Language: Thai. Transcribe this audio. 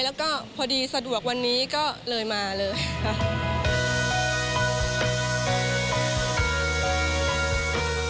แล้วก็พอดีสะดวกวันนี้ก็เลยมาเลยค่ะ